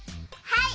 はい！